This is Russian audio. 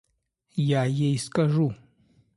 – Я ей скажу.